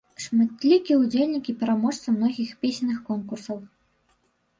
Шматлікі ўдзельнік і пераможца многіх песенных конкурсаў.